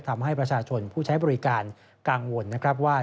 ทำให้ประชาชนผู้ใช้บริการกังวลนะครับว่า